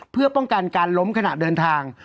เพื่อป้องกันการล้มขณะเดินทาง